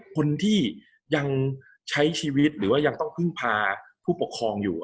คนที่ยังใช้ชีวิตหรือว่ายังต้องพึ่งพาผู้ปกครองอยู่